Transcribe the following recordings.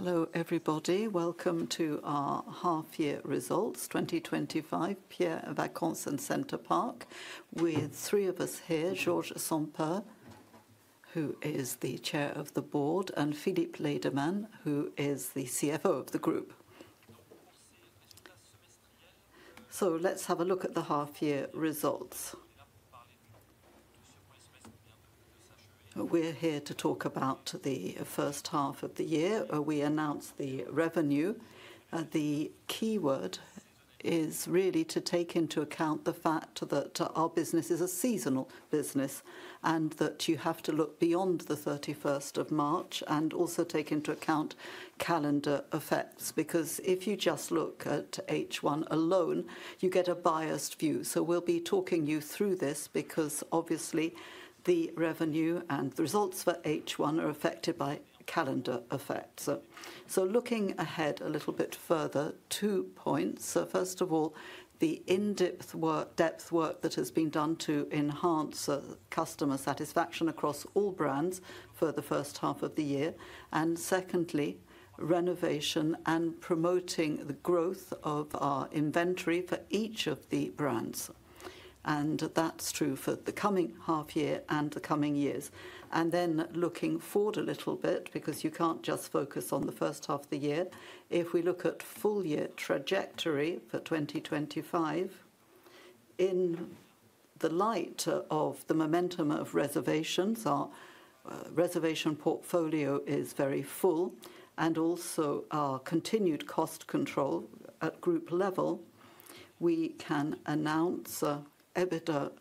Hello everybody, welcome to our half-year results, 2025, Pierre & Vacances and Center Parcs, with three of us here: Georges Sampeur, who is the Chair of the Board, and Philippe Lederman, who is the CFO of the Group. Let's have a look at the half-year results. We're here to talk about the first half of the year. We announced the revenue. The key word is really to take into account the fact that our business is a seasonal business and that you have to look beyond the 31st of March and also take into account calendar effects, because if you just look at H1 alone, you get a biased view. We'll be talking you through this because obviously the revenue and the results for H1 are affected by calendar effects. Looking ahead a little bit further, two points. First of all, the in-depth work that has been done to enhance customer satisfaction across all brands for the first half of the year. Secondly, renovation and promoting the growth of our inventory for each of the brands. That is true for the coming half-year and the coming years. Looking forward a little bit, because you cannot just focus on the first half of the year. If we look at full-year trajectory for 2025, in the light of the momentum of reservations, our reservation portfolio is very full, and also our continued cost control at Group level, we can announce EBITDA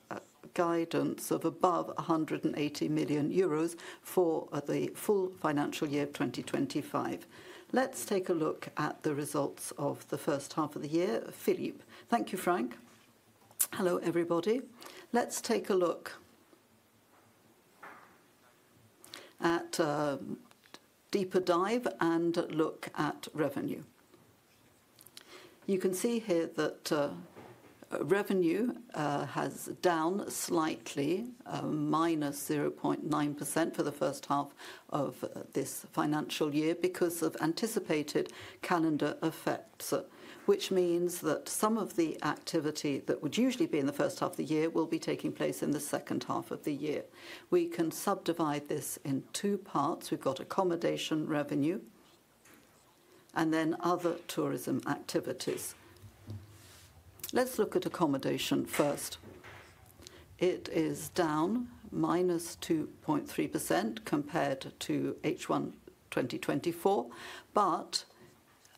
guidance of above 180 million euros for the full financial year of 2025. Let's take a look at the results of the first half of the year. Philippe, thank you, Franck. Hello everybody. Let's take a look at a deeper dive and look at revenue. You can see here that revenue has down slightly, -0.9% for the first half of this financial year because of anticipated calendar effects, which means that some of the activity that would usually be in the first half of the year will be taking place in the second half of the year. We can subdivide this in two parts. We've got accommodation revenue and then other tourism activities. Let's look at accommodation first. It is down -2.3% compared to H1 2024, but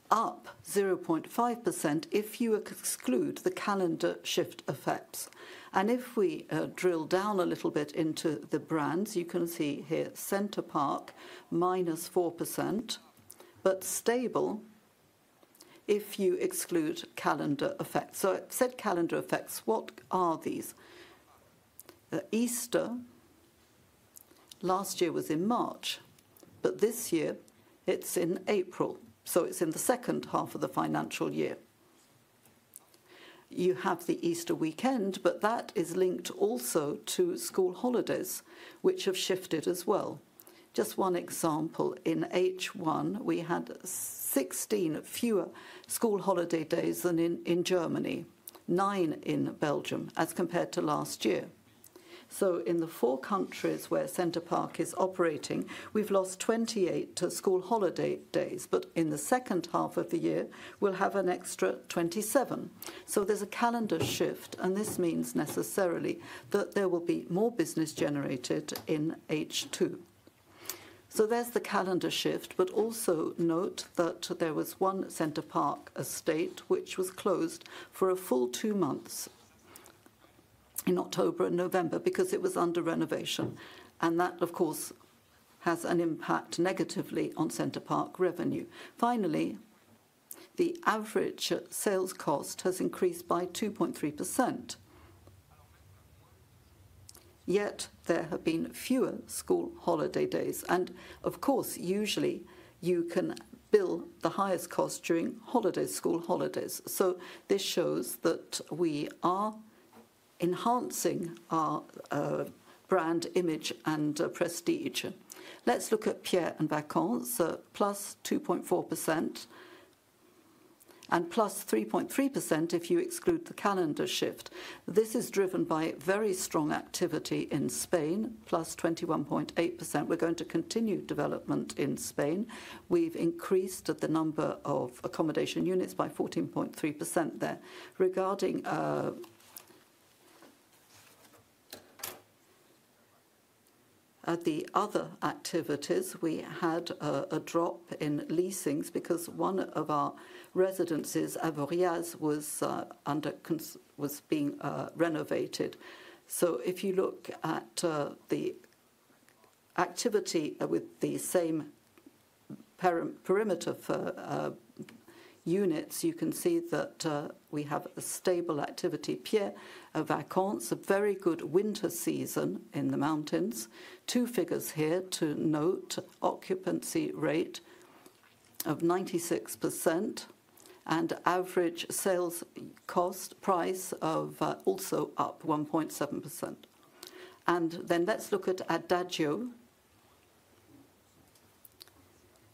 up 0.5% if you exclude the calendar shift effects. And if we drill down a little bit into the brands, you can see here Center Parcs -4%, but stable if you exclude calendar effects. So I've said calendar effects. What are these? Easter last year was in March, but this year it's in April, so it's in the second half of the financial year. You have the Easter weekend, but that is linked also to school holidays, which have shifted as well. Just one example: in H1, we had 16 fewer school holiday days than in Germany, nine in Belgium, as compared to last year. In the four countries where Center Parcs is operating, we've lost 28 school holiday days, but in the second half of the year, we'll have an extra 27. There's a calendar shift, and this means necessarily that there will be more business generated in H2. There's the calendar shift, but also note that there was one Center Parcs estate which was closed for a full two months in October and November because it was under renovation. That, of course, has an impact negatively on Center Parcs revenue. Finally, the average sales cost has increased by 2.3%. Yet there have been fewer school holiday days. Of course, usually you can bill the highest cost during school holidays. This shows that we are enhancing our brand image and prestige. Let's look at Pierre & Vacances: +2.4% and +3.3% if you exclude the calendar shift. This is driven by very strong activity in Spain: +21.8%. We are going to continue development in Spain. We have increased the number of accommodation units by 14.3% there. Regarding the other activities, we had a drop in leasings because one of our residences, Avoriaz, was being renovated. If you look at the activity with the same perimeter for units, you can see that we have a stable activity. Pierre & Vacances, a very good winter season in the mountains. Two figures here to note: occupancy rate of 96% and average sales cost price also up 1.7%. Let's look at Adagio,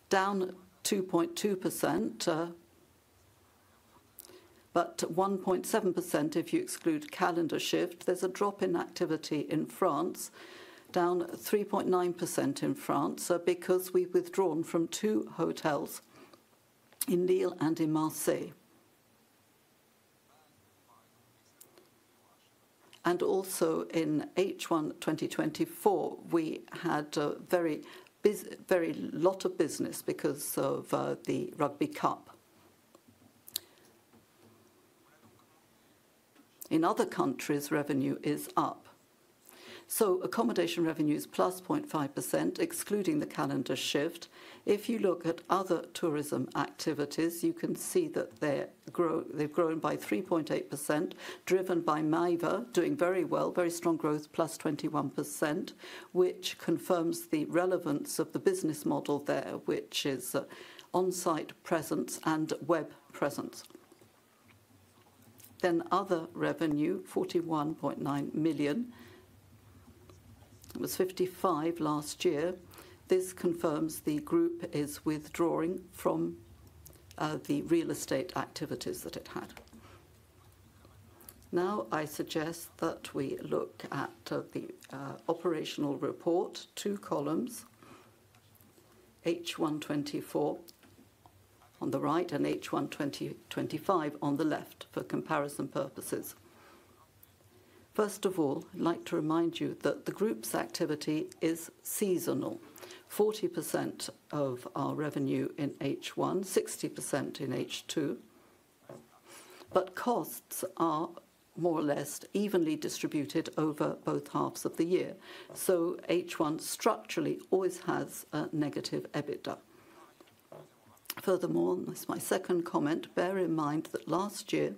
down 2.2%, but 1.7% if you exclude calendar shift. There's a drop in activity in France, down 3.9% in France, because we've withdrawn from two hotels in Lille and in Marseille. Also, in H1 2024, we had a very lot of business because of the Rugby Cup. In other countries, revenue is up. Accommodation revenue is plus 0.5%, excluding the calendar shift. If you look at other tourism activities, you can see that they've grown by 3.8%, driven by maeva.com, doing very well, very strong growth, +21%, which confirms the relevance of the business model there, which is on-site presence and web presence. Other revenue is 41.9 million. It was 55 million last year. This confirms the Group is withdrawing from the real estate activities that it had. Now I suggest that we look at the operational report, two columns, H1 '24 on the right and H1 2025 on the left for comparison purposes. First of all, I'd like to remind you that the Group's activity is seasonal: 40% of our revenue in H1, 60% in H2, but costs are more or less evenly distributed over both halves of the year. H1 structurally always has a negative EBITDA. Furthermore, this is my second comment. Bear in mind that last year,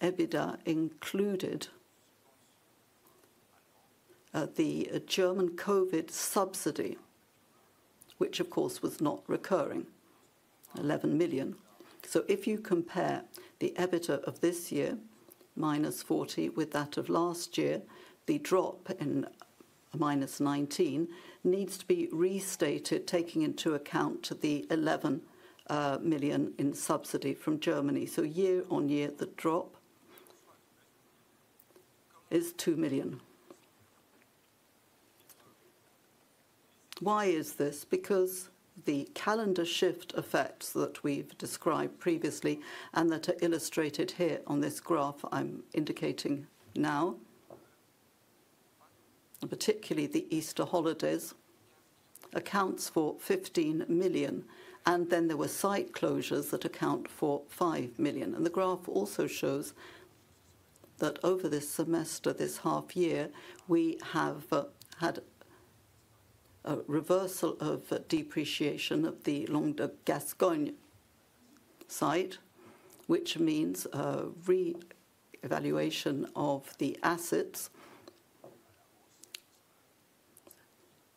EBITDA included the German COVID subsidy, which of course was not recurring: 11 million. If you compare the EBITDA of this year, minus 40, with that of last year, the drop in minus 19 needs to be restated, taking into account the 11 million in subsidy from Germany. Year-on-year, the drop is EUR 2 million. Why is this? Because the calendar shift effects that we've described previously and that are illustrated here on this graph I'm indicating now, particularly the Easter holidays, accounts for 15 million. There were site closures that account for 5 million. The graph also shows that over this semester, this half-year, we have had a reversal of depreciation of the Longue de Gascogne site, which means a re-evaluation of the assets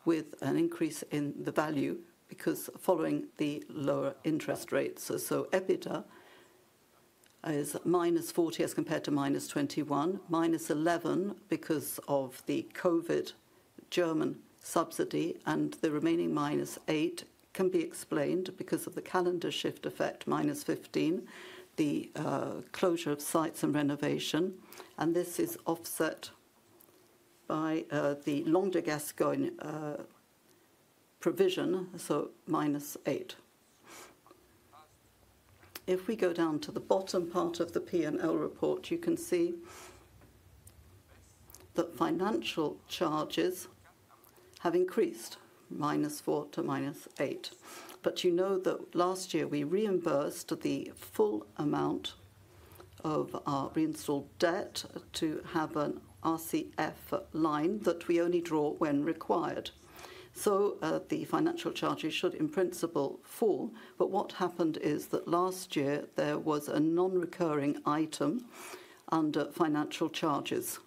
with an increase in the value because following the lower interest rates. EBITDA is minus 40 million as compared to minus 21 million, minus 11 million because of the COVID German subsidy, and the remaining minus 8 million can be explained because of the calendar shift effect, minus 15 million, the closure of sites and renovation. This is offset by the Longue de Gascogne provision, so minus EUR 8 million. If we go down to the bottom part of the P&L report, you can see that financial charges have increased, minus 4 to minus 8. You know that last year we reimbursed the full amount of our reinstalled debt to have an RCF line that we only draw when required. The financial charges should in principle fall. What happened is that last year there was a non-recurring item under financial charges.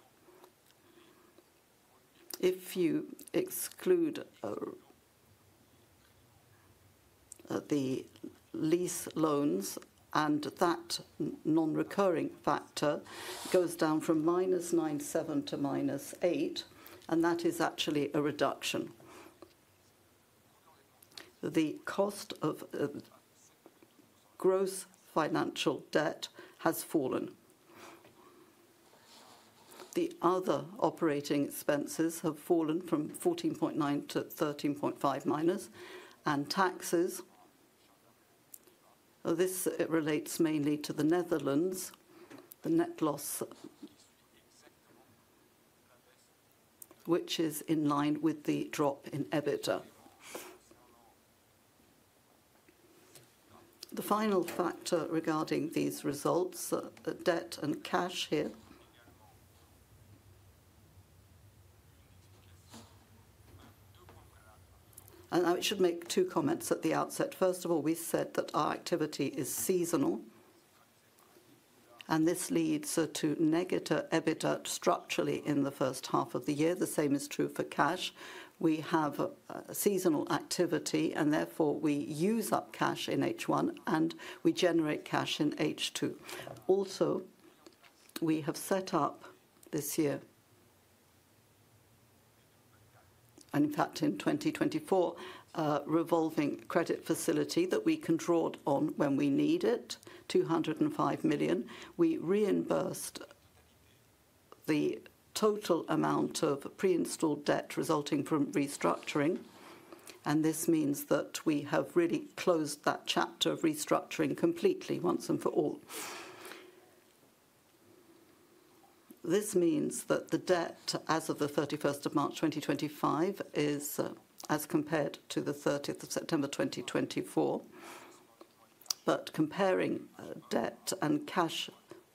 If you exclude the lease loans and that non-recurring factor, it goes down from minus 97 to minus 8, and that is actually a reduction. The cost of gross financial debt has fallen. The other operating expenses have fallen from 14.9 million to 13.5 million minus, and taxes, this relates mainly to the Netherlands, the net loss, which is in line with the drop in EBITDA. The final factor regarding these results, debt and cash here. I should make two comments at the outset. First of all, we said that our activity is seasonal, and this leads to negative EBITDA structurally in the first half of the year. The same is true for cash. We have seasonal activity, and therefore we use up cash in H1 and we generate cash in H2. Also, we have set up this year, and in fact in 2024, a revolving credit facility that we can draw on when we need it, 205 million. We reimbursed the total amount of pre-installed debt resulting from restructuring, and this means that we have really closed that chapter of restructuring completely once and for all. This means that the debt as of the 31st of March 2025 is as compared to the 30th of September 2024. Comparing debt and cash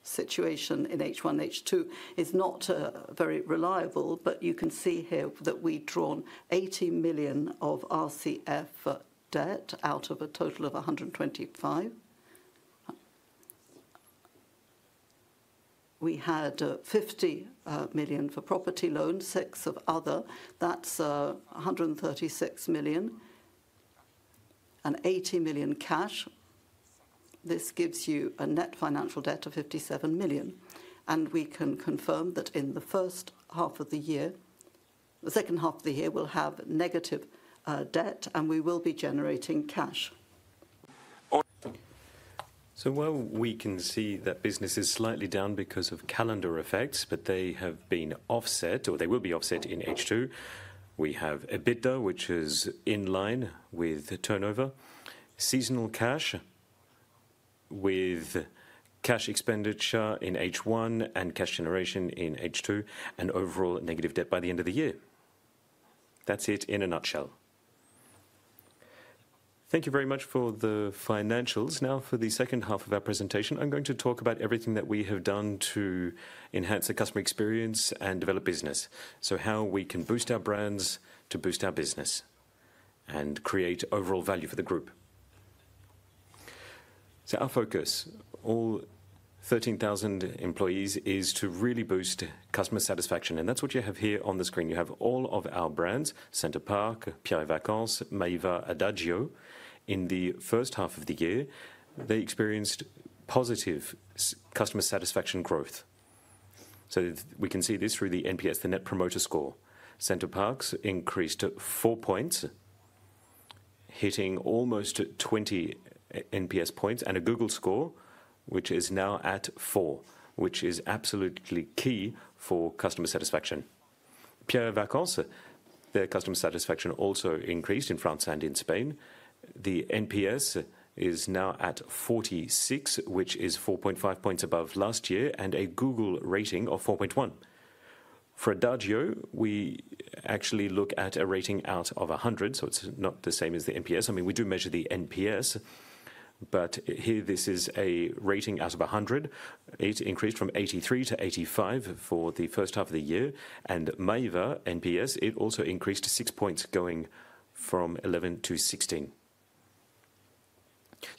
situation in H1- H2 is not very reliable, but you can see here that we've drawn 80 million of RCF debt out of a total of 125 million. We had 50 million for property loans, 6 million of other. That's 136 million. And 80 million cash. This gives you a net financial debt of 57 million. We can confirm that in the first half of the year, the second half of the year, we'll have negative debt and we will be generating cash. While we can see that business is slightly down because of calendar effects, but they have been offset, or they will be offset in H2, we have EBITDA, which is in line with turnover, seasonal cash with cash expenditure in H1 and cash generation in H2, and overall negative debt by the end of the year. That's it in a nutshell. Thank you very much for the financials. Now, for the second half of our presentation, I'm going to talk about everything that we have done to enhance the customer experience and develop business, so how we can boost our brands to boost our business and create overall value for the Group. Our focus, all 13,000 employees, is to really boost customer satisfaction. That is what you have here on the screen. You have all of our brands, Center Parcs, Pierre & Vacances, maeva, Adagio. In the first half of the year, they experienced positive customer satisfaction growth. We can see this through the NPS, the Net Promoter Score. Center Parcs increased 4 points, hitting almost 20 NPS points, and a Google score, which is now at 4, which is absolutely key for customer satisfaction. Pierre & Vacances, their customer satisfaction also increased in France and in Spain. The NPS is now at 46, which is 4.5 points above last year, and a Google rating of 4.1. For Adagio, we actually look at a rating out of 100, so it's not the same as the NPS. I mean, we do measure the NPS, but here this is a rating out of 100. It increased from 83 to 85 for the first half of the year. And maeva, NPS, it also increased 6 points going from 11 to 16.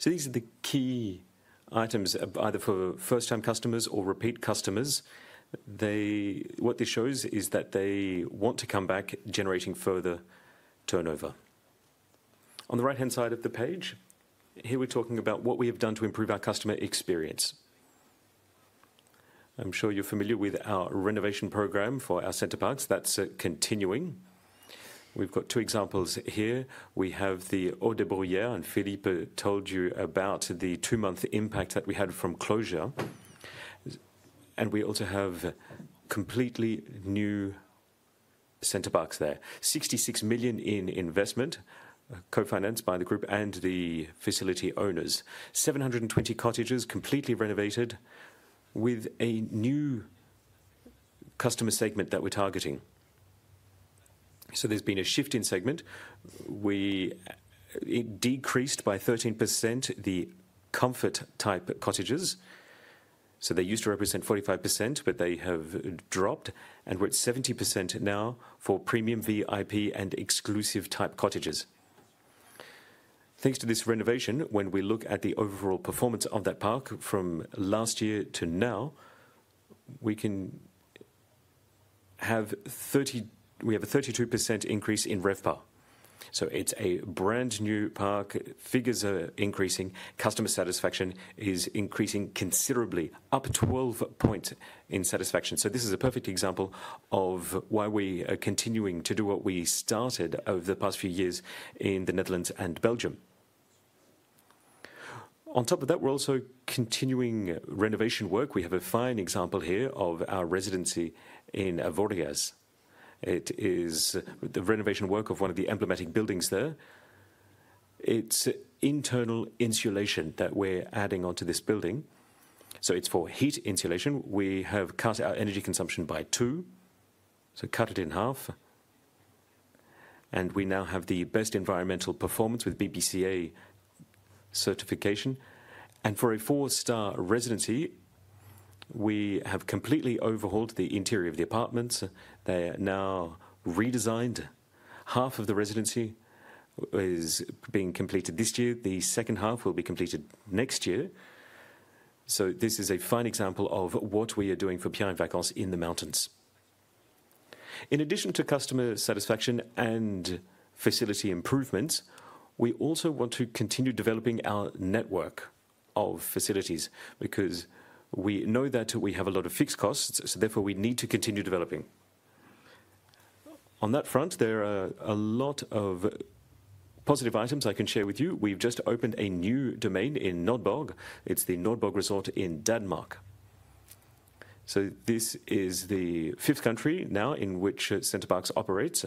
These are the key items, either for first-time customers or repeat customers. What this shows is that they want to come back, generating further turnover. On the right-hand side of the page, here we're talking about what we have done to improve our customer experience. I'm sure you're familiar with our renovation program for our Center Parcs. That's continuing. We've got two examples here. We have the Eau de Bruyère, and Philippe told you about the two-month impact that we had from closure. We also have completely new Center Parcs there: 66 million in investment, co-financed by the Group and the facility owners, 720 cottages completely renovated with a new customer segment that we're targeting. There has been a shift in segment. We decreased by 13% the comfort-type cottages. They used to represent 45%, but they have dropped, and we're at 70% now for premium, VIP, and exclusive-type cottages. Thanks to this renovation, when we look at the overall performance of that park from last year to now, we can have a 32% increase in RevPAR. It is a brand-new park. Figures are increasing. Customer satisfaction is increasing considerably, up 12 percentage points in satisfaction. This is a perfect example of why we are continuing to do what we started over the past few years in the Netherlands and Belgium. On top of that, we're also continuing renovation work. We have a fine example here of our residency in Avoriaz. It is the renovation work of one of the emblematic buildings there. It's internal insulation that we're adding onto this building. It's for heat insulation. We have cut our energy consumption by 2, so cut it in half. We now have the best environmental performance with BBCA certification. For a four-star residency, we have completely overhauled the interior of the apartments. They are now redesigned. Half of the residency is being completed this year. The second half will be completed next year. This is a fine example of what we are doing for Pierre & Vacances in the mountains. In addition to customer satisfaction and facility improvements, we also want to continue developing our network of facilities because we know that we have a lot of fixed costs, so therefore we need to continue developing. On that front, there are a lot of positive items I can share with you. We've just opened a new domain in Nordborg. It's the Nordborg Resort in Denmark. This is the fifth country now in which Center Parcs operates.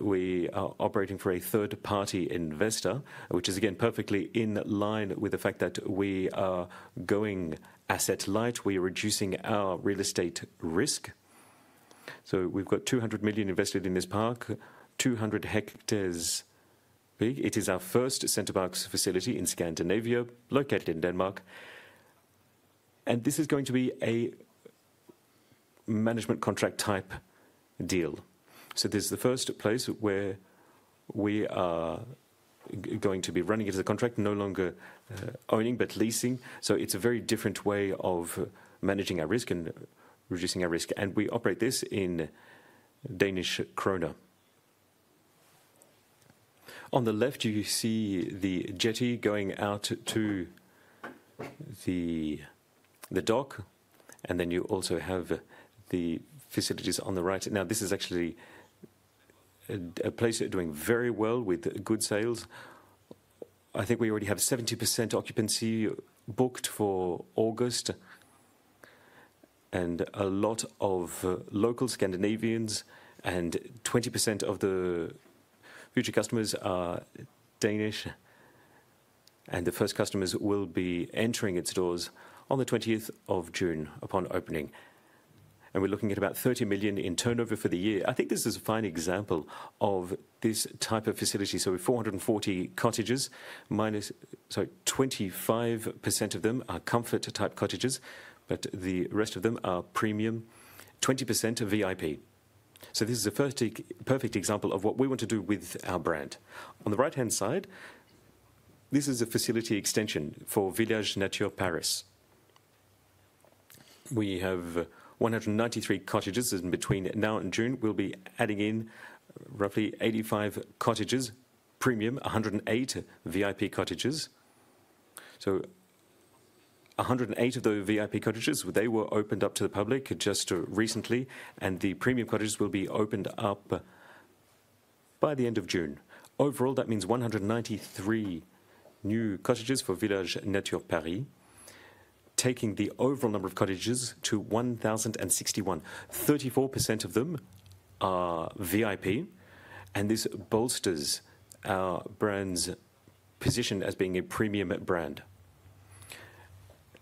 We are operating for a third-party investor, which is again perfectly in line with the fact that we are going asset-light. We are reducing our real estate risk. We've got 200 million invested in this park, 200 hectares big. It is our first Center Parcs facility in Scandinavia, located in Denmark. This is going to be a management contract type deal. This is the first place where we are going to be running it as a contract, no longer owning, but leasing. It is a very different way of managing our risk and reducing our risk. We operate this in Danish kroner. On the left, you see the jetty going out to the dock, and then you also have the facilities on the right. This is actually a place that is doing very well with good sales. I think we already have 70% occupancy booked for August, and a lot of local Scandinavians, and 20% of the future customers are Danish. The first customers will be entering its doors on the 20th of June upon opening. We are looking at about 30 million in turnover for the year. I think this is a fine example of this type of facility. We have 440 cottages, minus, sorry, 25% of them are comfort-type cottages, but the rest of them are premium, 20% VIP. This is a perfect example of what we want to do with our brand. On the right-hand side, this is a facility extension for Villages Nature Paris. We have 193 cottages in between now and June. We'll be adding in roughly 85 cottages, premium, 108 VIP cottages. So 108 of those VIP cottages, they were opened up to the public just recently, and the premium cottages will be opened up by the end of June. Overall, that means 193 new cottages for Villages Nature Paris, taking the overall number of cottages to 1,061. 34% of them are VIP, and this bolsters our brand's position as being a premium brand.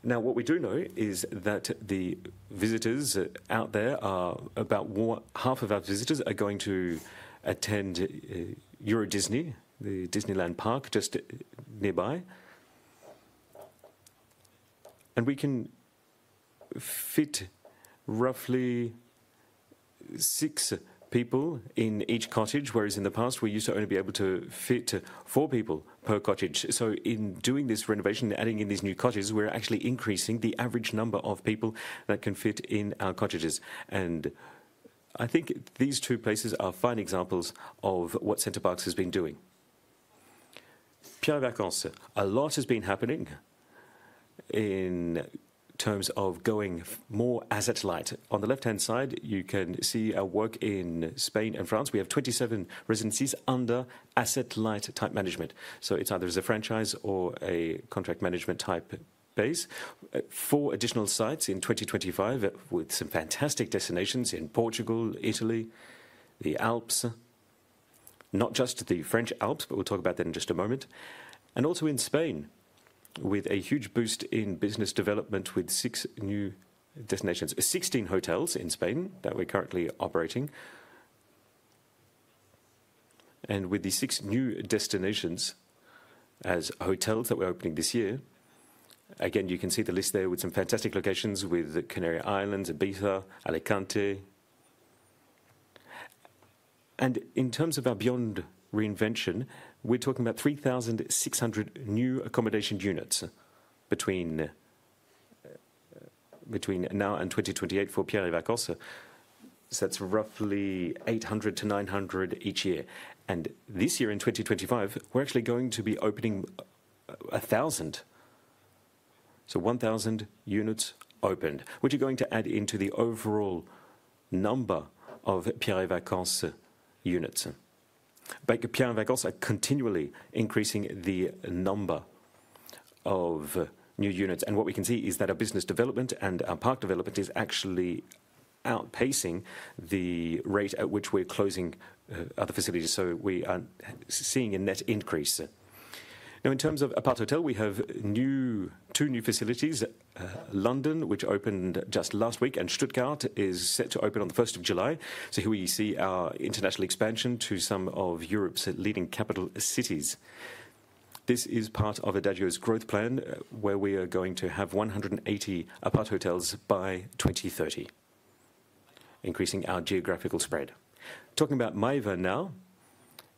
Now, what we do know is that the visitors out there are about half of our visitors are going to attend EuroDisney, the Disneyland park just nearby. We can fit roughly six people in each cottage, whereas in the past, we used to only be able to fit four people per cottage. In doing this renovation, adding in these new cottages, we're actually increasing the average number of people that can fit in our cottages. I think these two places are fine examples of what Center Parcs has been doing. Pierre et Vacances, a lot has been happening in terms of going more asset-light. On the left-hand side, you can see our work in Spain and France. We have 27 residences under asset-light type management. It is either as a franchise or a contract management type base. Four additional sites in 2025 with some fantastic destinations in Portugal, Italy, the Alps, not just the French Alps, but we'll talk about that in just a moment. Also in Spain, with a huge boost in business development with six new destinations, 16 hotels in Spain that we're currently operating. With these six new destinations as hotels that we're opening this year, you can see the list there with some fantastic locations with the Canary Islands, Ibiza, Alicante. In terms of our Beyond Reinvention, we're talking about 3,600 new accommodation units between now and 2028 for Pierre et Vacances. That's roughly 800-900 each year. This year in 2025, we're actually going to be opening 1,000. 1,000 units opened, which are going to add into the overall number of Pierre et Vacances units. Pierre & Vacances are continually increasing the number of new units. What we can see is that our business development and our park development is actually outpacing the rate at which we're closing other facilities. We are seeing a net increase. In terms of Apart Hotel, we have two new facilities, London, which opened just last week, and Stuttgart is set to open on the 1st of July. Here we see our international expansion to some of Europe's leading capital cities. This is part of Adagio's growth plan, where we are going to have 180 Apart Hotels by 2030, increasing our geographical spread. Talking about maeva.com now,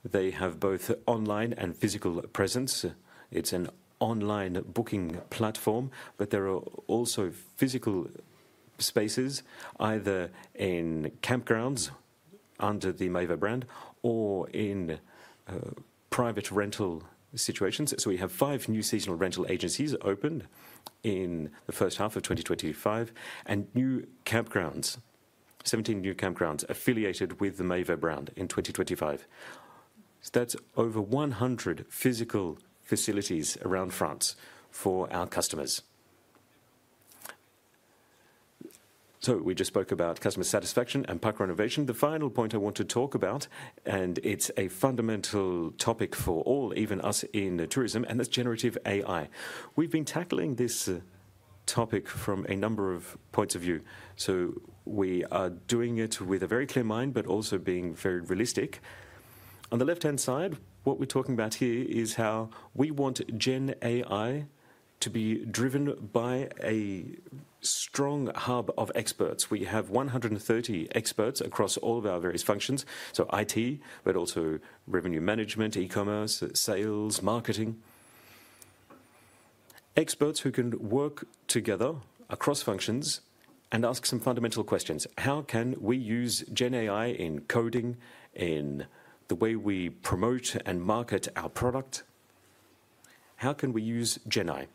they have both online and physical presence. It's an online booking platform, but there are also physical spaces, either in campgrounds under the maeva brand or in private rental situations. We have five new seasonal rental agencies opened in the first half of 2025 and new campgrounds, 17 new campgrounds affiliated with the maeva brand in 2025. That is over 100 physical facilities around France for our customers. We just spoke about customer satisfaction and park renovation. The final point I want to talk about, and it is a fundamental topic for all, even us in tourism, and that is generative AI. We have been tackling this topic from a number of points of view. We are doing it with a very clear mind, but also being very realistic. On the left-hand side, what we are talking about here is how we want Gen AI to be driven by a strong hub of experts. We have 130 experts across all of our various functions, so IT, but also revenue management, e-commerce, sales, marketing. Experts who can work together across functions and ask some fundamental questions. How can we use Gen AI in coding, in the way we promote and market our product? How can we use Gen AI?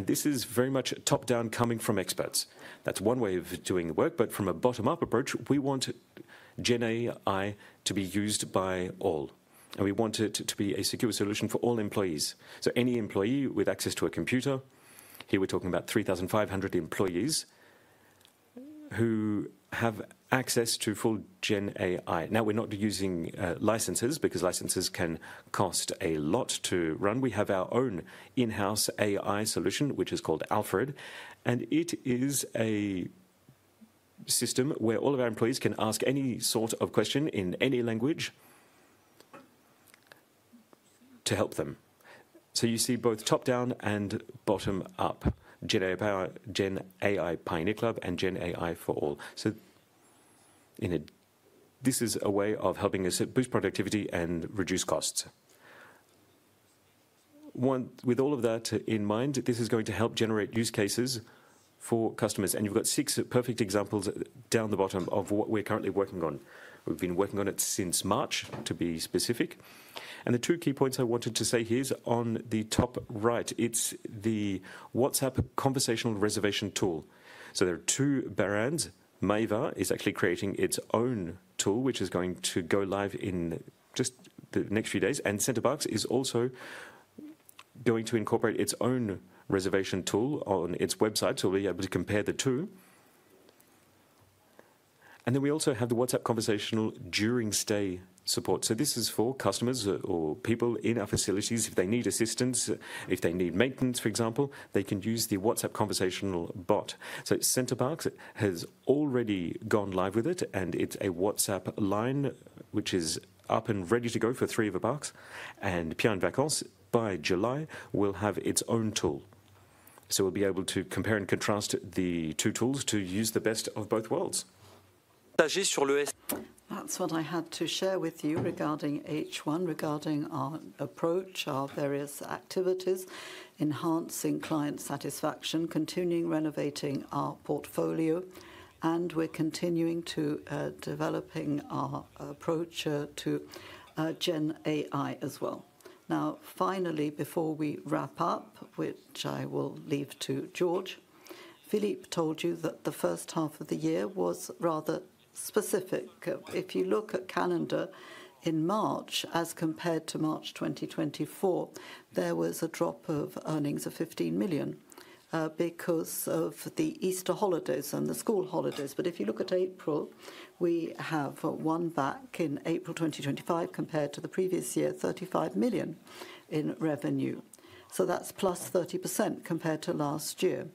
This is very much top-down coming from experts. That's one way of doing the work. From a bottom-up approach, we want Gen AI to be used by all. We want it to be a secure solution for all employees. Any employee with access to a computer, here we're talking about 3,500 employees who have access to full Gen AI. We're not using licenses because licenses can cost a lot to run. We have our own in-house AI solution, which is called Alfred. It is a system where all of our employees can ask any sort of question in any language to help them. You see both top-down and bottom-up: Gen AI Pioneer Club and Gen AI for All. This is a way of helping us boost productivity and reduce costs. With all of that in mind, this is going to help generate use cases for customers. You have six perfect examples down the bottom of what we're currently working on. We've been working on it since March, to be specific. The two key points I wanted to say here are on the top right. It's the WhatsApp conversational reservation tool. There are two brands. maeva.com is actually creating its own tool, which is going to go live in just the next few days. Center Parcs is also going to incorporate its own reservation tool on its website, so we'll be able to compare the two. We also have the WhatsApp conversational during-stay support. This is for customers or people in our facilities. If they need assistance, if they need maintenance, for example, they can use the WhatsApp conversational bot. Center Parcs has already gone live with it, and it is a WhatsApp line which is up and ready to go for three of the parks. Pierre & Vacances, by July, will have its own tool. We will be able to compare and contrast the two tools to use the best of both worlds. [S'agit sur le]. That is what I had to share with you regarding H1, regarding our approach, our various activities, enhancing client satisfaction, continuing renovating our portfolio, and we are continuing to develop our approach to Gen AI as well. Now, finally, before we wrap up, which I will leave to Georges, Philippe told you that the first half of the year was rather specific. If you look at calendar in March, as compared to March 2024, there was a drop of earnings of 15 million because of the Easter holidays and the school holidays. If you look at April, we have won back in April 2025 compared to the previous year, 35 million in revenue. That is plus 30% compared to last year.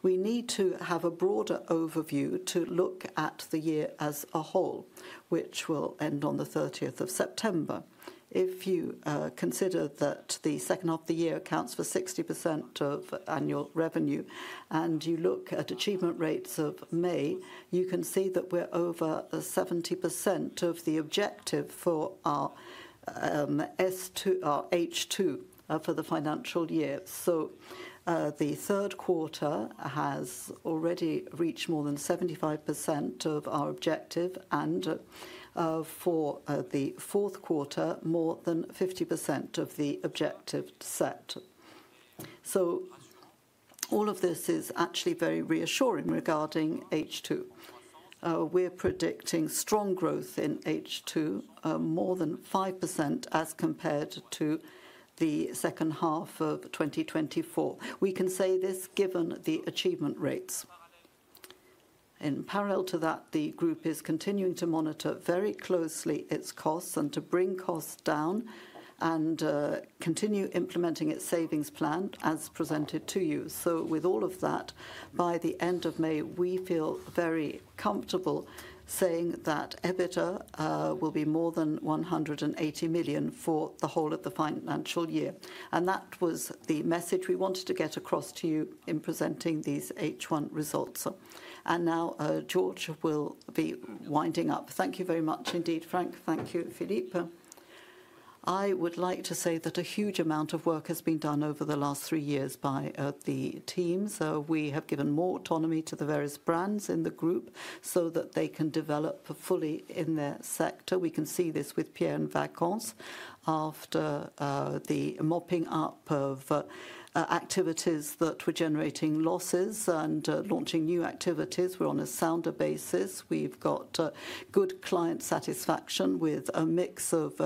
We need to have a broader overview to look at the year as a whole, which will end on the 30th of September. If you consider that the second half of the year accounts for 60% of annual revenue, and you look at achievement rates of May, you can see that we are over 70% of the objective for our H2 for the financial year. The third quarter has already reached more than 75% of our objective, and for the fourth quarter, more than 50% of the objective set. All of this is actually very reassuring regarding H2. We're predicting strong growth in H2, more than 5% as compared to the second half of 2024. We can say this given the achievement rates. In parallel to that, the group is continuing to monitor very closely its costs and to bring costs down and continue implementing its savings plan as presented to you. With all of that, by the end of May, we feel very comfortable saying that EBITDA will be more than 180 million for the whole of the financial year. That was the message we wanted to get across to you in presenting these H1 results. Now Georges will be winding up. Thank you very much indeed, Frank. Thank you, Philippe. I would like to say that a huge amount of work has been done over the last three years by the team. We have given more autonomy to the various brands in the group so that they can develop fully in their sector. We can see this with Pierre & Vacances after the mopping up of activities that were generating losses and launching new activities. We're on a sounder basis. We've got good client satisfaction with a mix of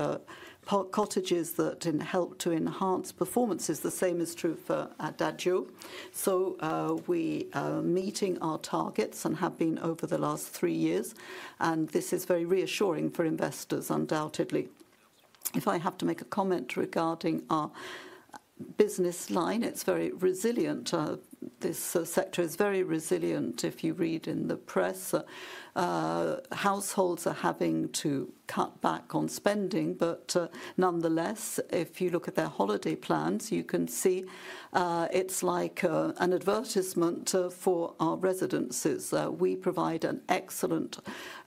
cottages that help to enhance performances. The same is true for Adagio. We are meeting our targets and have been over the last three years. This is very reassuring for investors, undoubtedly. If I have to make a comment regarding our business line, it's very resilient. This sector is very resilient. If you read in the press, households are having to cut back on spending. Nonetheless, if you look at their holiday plans, you can see it's like an advertisement for our residences. We provide an excellent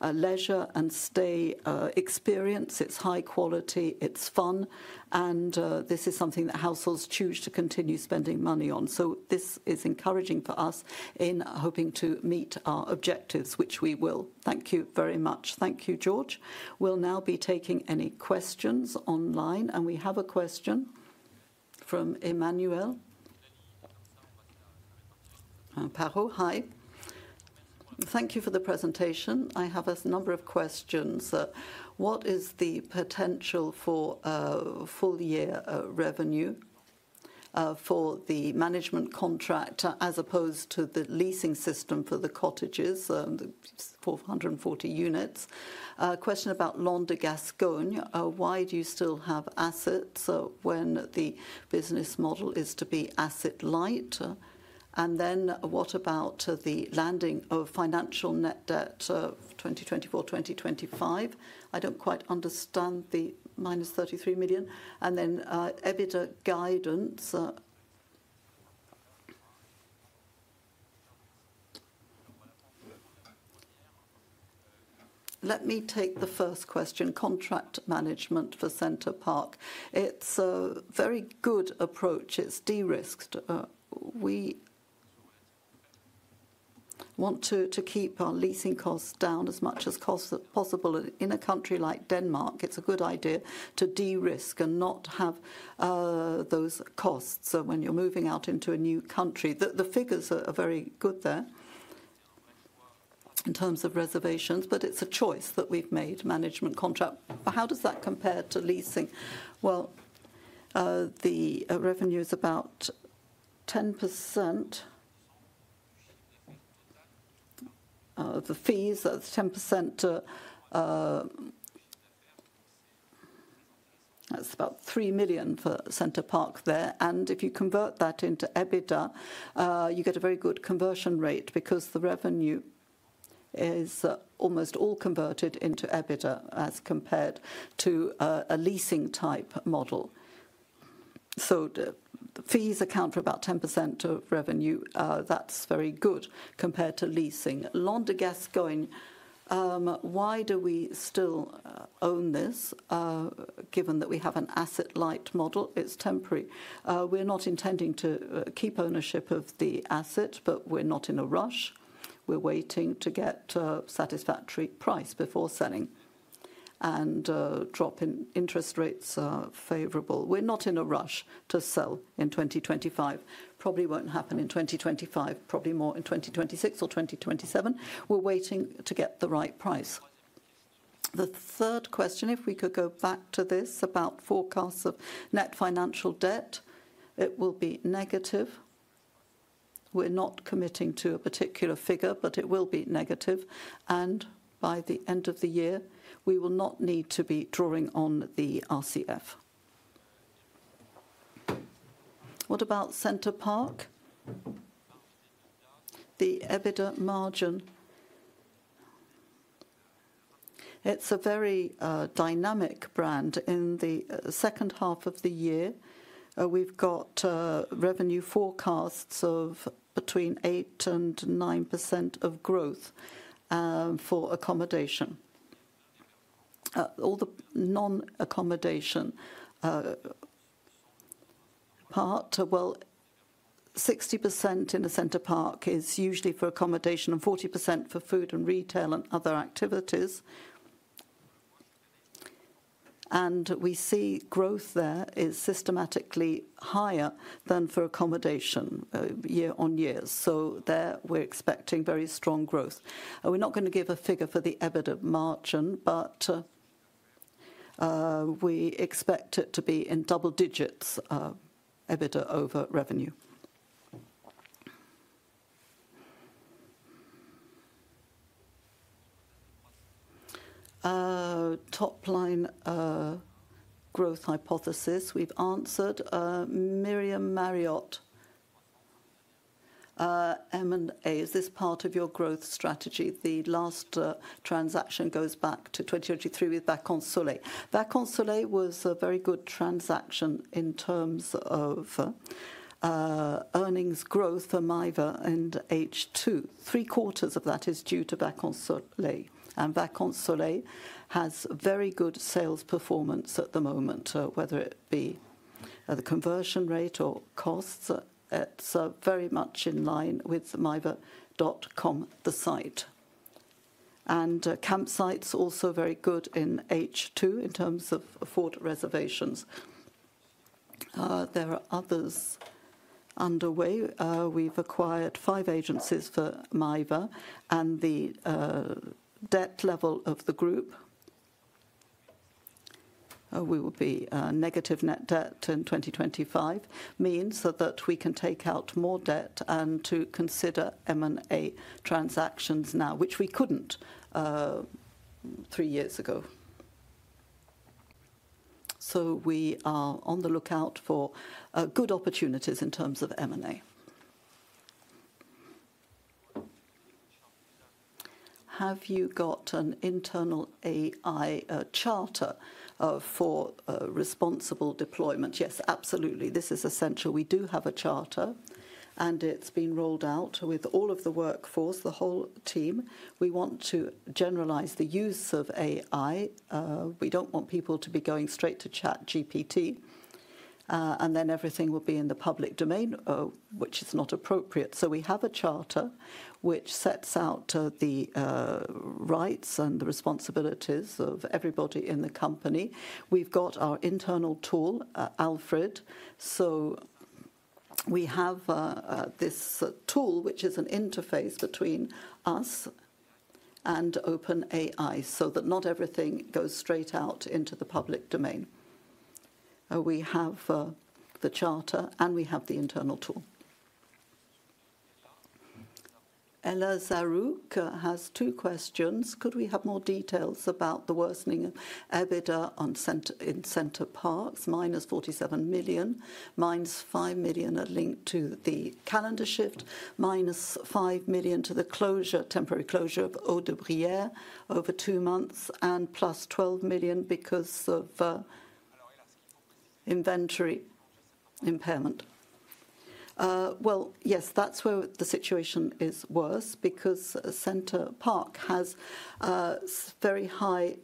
leisure and stay experience. It's high quality. It's fun. This is something that households choose to continue spending money on. This is encouraging for us in hoping to meet our objectives, which we will. Thank you very much. Thank you, Georges. We will now be taking any questions online. We have a question from Emmanuel. Thank you for the presentation. I have a number of questions. What is the potential for full year revenue for the management contract as opposed to the leasing system for the cottages, 440 units? Question about Landesgasconne. Why do you still have assets when the business model is to be asset-light? What about the landing of financial net debt 2024-2025? I do not quite understand the minus 33 million. EBITDA guidance. Let me take the first question, contract management for Center Parcs. It's a very good approach. It's de-risked. We want to keep our leasing costs down as much as possible. In a country like Denmark, it's a good idea to de-risk and not have those costs when you're moving out into a new country. The figures are very good there in terms of reservations, but it's a choice that we've made, management contract. How does that compare to leasing? The revenue is about 10% of the fees. That's 10%. That's about 3 million for Center Parcs there. If you convert that into EBITDA, you get a very good conversion rate because the revenue is almost all converted into EBITDA as compared to a leasing type model. The fees account for about 10% of revenue. That's very good compared to leasing. Landesgasconne. Why do we still own this given that we have an asset-light model? It's temporary. We're not intending to keep ownership of the asset, but we're not in a rush. We're waiting to get a satisfactory price before selling and dropping interest rates favorable. We're not in a rush to sell in 2025. Probably won't happen in 2025, probably more in 2026 or 2027. We're waiting to get the right price. The third question, if we could go back to this, about forecasts of net financial debt, it will be negative. We're not committing to a particular figure, but it will be negative. By the end of the year, we will not need to be drawing on the RCF. What about Center Parcs? The EBITDA margin. It's a very dynamic brand. In the second half of the year, we've got revenue forecasts of between 8%-9% of growth for accommodation. All the non-accommodation part, 60% in the Center Parcs is usually for accommodation and 40% for food and retail and other activities. We see growth there is systematically higher than for accommodation year on year. There we are expecting very strong growth. We are not going to give a figure for the EBITDA margin, but we expect it to be in double digits, EBITDA over revenue. Top line growth hypothesis we have answered. Miriam Mariotte. M&A, is this part of your growth strategy? The last transaction goes back to 2023 with Vacances Soleil. Vacances Soleil was a very good transaction in terms of earnings growth for maeva.com and H2. Three quarters of that is due to Vacances Soleil. Vacances Soleil has very good sales performance at the moment, whether it be the conversion rate or costs. It is very much in line with maeva.com, the site. Campsites also very good in H2 in terms of afforded reservations. There are others underway. We have acquired five agencies for maeva. The debt level of the group, we will be negative net debt in 2025, means that we can take out more debt and to consider M&A transactions now, which we could not three years ago. We are on the lookout for good opportunities in terms of M&A. Have you got an internal AI charter for responsible deployment? Yes, absolutely. This is essential. We do have a charter, and it has been rolled out with all of the workforce, the whole team. We want to generalize the use of AI. We do not want people to be going straight to ChatGPT, and then everything will be in the public domain, which is not appropriate. We have a charter which sets out the rights and the responsibilities of everybody in the company. We have our internal tool, Alfred. We have this tool, which is an interface between us and OpenAI, so that not everything goes straight out into the public domain. We have the charter, and we have the internal tool. Ella Zarouque has two questions. Could we have more details about the worsening of EBITDA in Center Parcs? Minus 47 million. Minus 5 million are linked to the calendar shift. Minus 5 million to the temporary closure of Eau de Brière over two months and plus 12 million because of inventory impairment. That is where the situation is worse because Center Parcs has very high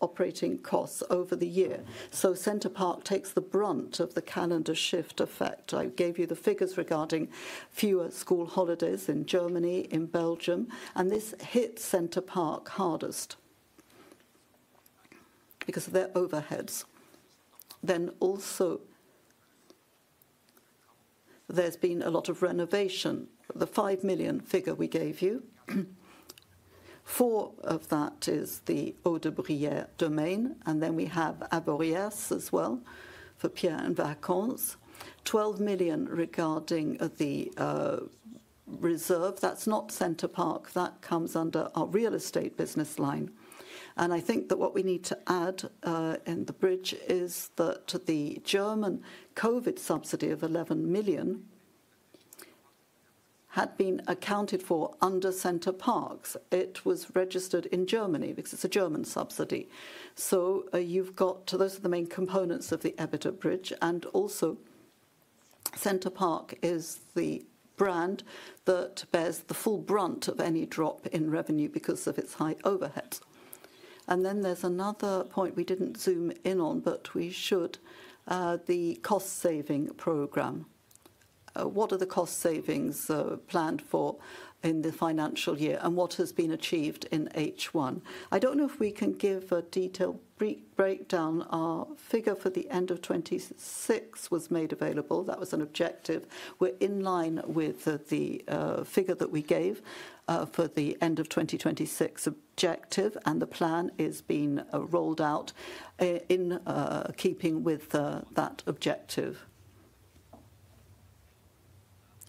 operating costs over the year. Center Parcs takes the brunt of the calendar shift effect. I gave you the figures regarding fewer school holidays in Germany, in Belgium, and this hits Center Parcs hardest because of their overheads. There has also been a lot of renovation. The 5 million figure we gave you, four of that is the Eau de Brière domain, and then we have Avoriaz as well for Pierre & Vacances. 12 million regarding the reserve. That is not Center Parcs. That comes under our real estate business line. I think that what we need to add in the bridge is that the German COVID subsidy of 11 million had been accounted for under Center Parcs. It was registered in Germany because it is a German subsidy. Those are the main components of the EBITDA bridge. Center Parcs is the brand that bears the full brunt of any drop in revenue because of its high overhead. There is another point we did not zoom in on, but we should, the cost saving program. What are the cost savings planned for in the financial year and what has been achieved in H1? I do not know if we can give a detailed breakdown. Our figure for the end of '26 was made available. That was an objective. We are in line with the figure that we gave for the end of 2026 objective, and the plan is being rolled out in keeping with that objective.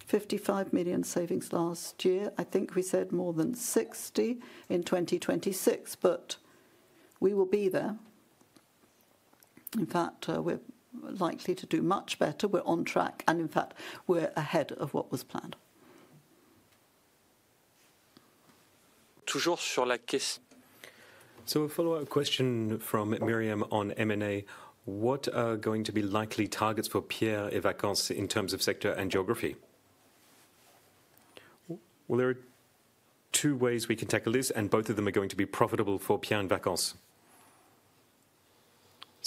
55 million savings last year. I think we said more than 60 in 2026, but we will be there. In fact, we are likely to do much better. We are on track. In fact, we are ahead of what was planned. [Toujours sur la.] A follow-up question from Miriam on M&A. What are going to be likely targets for Pierre & Vacances in terms of sector and geography? There are two ways we can tackle this, and both of them are going to be profitable for Pierre & Vacances.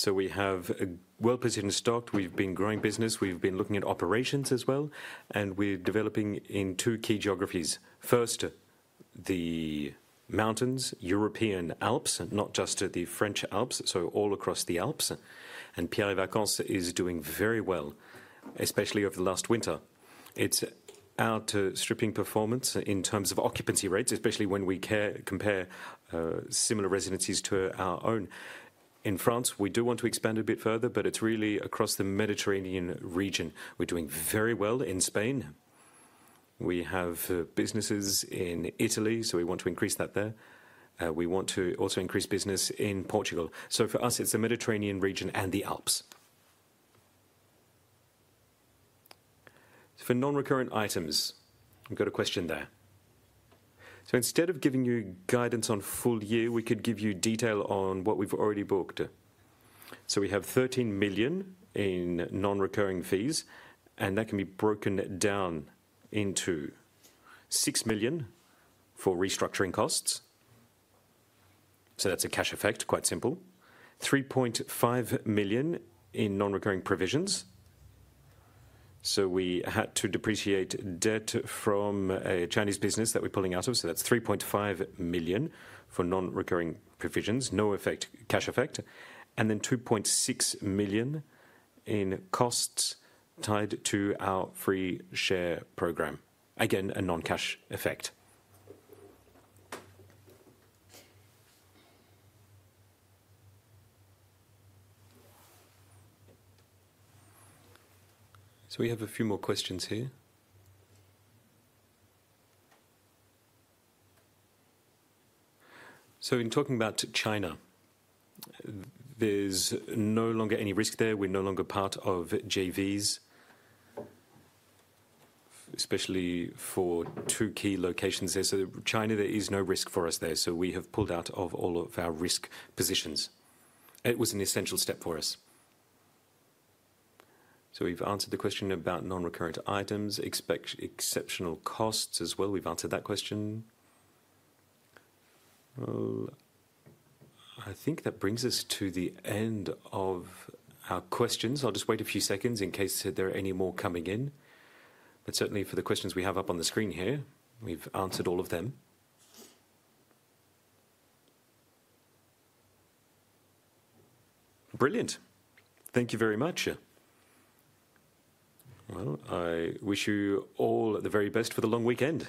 We have a well-positioned stock. We've been growing business. We've been looking at operations as well, and we're developing in two key geographies. First, the mountains, European Alps, not just the French Alps, so all across the Alps. Pierre & Vacances is doing very well, especially over the last winter. It's outstripping performance in terms of occupancy rates, especially when we compare similar residences to our own. In France, we do want to expand a bit further, but it's really across the Mediterranean region. We're doing very well in Spain. We have businesses in Italy, so we want to increase that there. We want to also increase business in Portugal. For us, it's the Mediterranean region and the Alps. For non-recurrent items, we've got a question there. Instead of giving you guidance on full year, we could give you detail on what we've already booked. We have 13 million in non-recurring fees, and that can be broken down into 6 million for restructuring costs. That's a cash effect, quite simple. 3.5 million in non-recurring provisions. We had to depreciate debt from a Chinese business that we're pulling out of. That's 3.5 million for non-recurring provisions, no cash effect. Then 2.6 million in costs tied to our free share program, again, a non-cash effect. We have a few more questions here. In talking about China, there's no longer any risk there. We're no longer part of JVs, especially for two key locations there. China, there is no risk for us there. We have pulled out of all of our risk positions. It was an essential step for us. We have answered the question about non-recurrent items, exceptional costs as well. We have answered that question. I think that brings us to the end of our questions. I'll just wait a few seconds in case there are any more coming in. Certainly, for the questions we have up on the screen here, we have answered all of them. Brilliant. Thank you very much. I wish you all the very best for the long weekend.